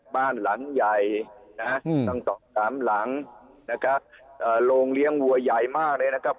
บ้านหลังใหญ่นะฮะตั้งสองสามหลังนะครับโรงเลี้ยงวัวใหญ่มากเลยนะครับ